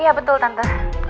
iya betul tante